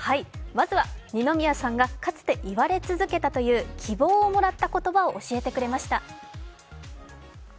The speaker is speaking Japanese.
まずは二宮さんがかつて言われ続けたという希望をもらった言葉を教えてくれました。